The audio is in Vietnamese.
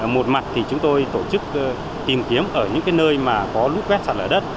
một mặt thì chúng tôi tổ chức tìm kiếm ở những nơi có lút vét sẵn ở đất